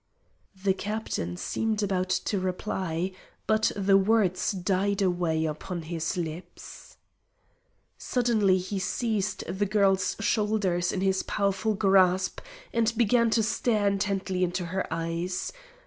The Captain seemed about to reply, but the words died away upon his lips. Suddenly he seized the girl's shoulders in his powerful grasp, and began to stare intently into her eyes.